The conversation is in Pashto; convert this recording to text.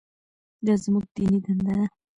دا زموږ دیني دنده ده.